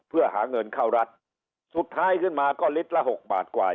เพื่อหาเงินเข้ารัฐสุดท้ายขึ้นมาก็ลิตรละหกบาทกว่า